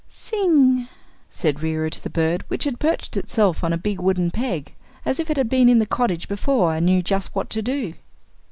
"Sing!" said Reera to the bird, which had perched itself on a big wooden peg as if it had been in the cottage before and knew just what to do.